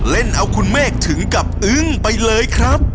เล่นเอาคุณเมฆถึงกับอึ้งไปเลยครับ